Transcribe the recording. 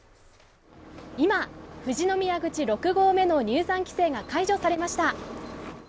今、富士宮口６合目の入山規制が解除されました。